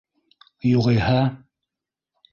Юғиһә...